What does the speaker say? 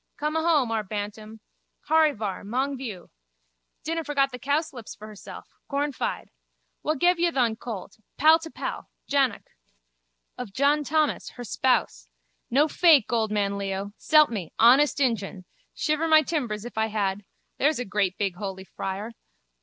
Come ahome, our Bantam. Horryvar, mong vioo. Dinna forget the cowslips for hersel. Cornfide. Wha gev ye thon colt? Pal to pal. Jannock. Of John Thomas, her spouse. No fake, old man Leo. S'elp me, honest injun. Shiver my timbers if I had. There's a great big holy friar.